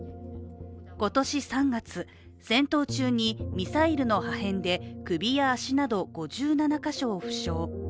今年３月、戦闘中にミサイルの破片で首や足など５７カ所を負傷。